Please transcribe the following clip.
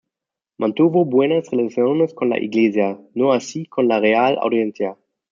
Mantuvo buenas relaciones con la Iglesia, no así con la Real Audiencia.